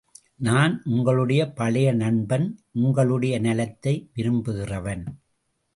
நான் உங்களுடைய பழைய நண்பன் உங்களுடைய நலத்தை விரும்புகிறவன்.